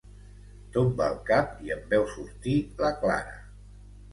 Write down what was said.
Tomba el cap i en veu sortir la Clara.